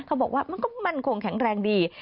เขาบอกว่ามันคงแข็งแรงดี